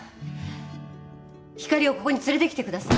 ひかりをここに連れてきてください。